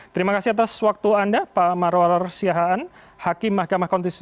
terima kasih atas waktu anda pak marwarar siahaan hakim mahkamah konstitusi